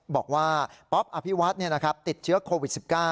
บอกว่าป๊อปอภิวัฒน์ติดเชื้อโควิด๑๙